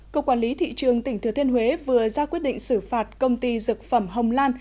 cục quản lý thị trường tỉnh thừa thiên huế vừa ra quyết định xử phạt công ty dược phẩm hồng lan